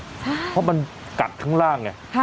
เพราะมันกัดข้างล่างไง